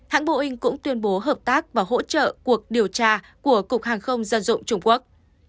hãng boeing cũng tuyên bố hợp tác và hỗ trợ cuộc điều tra của cục hàng không dân dụng trung quốc